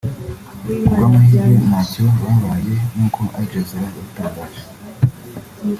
ku bw’amahirwe ntacyo babaye nk’uko Aljazeera yabitangaje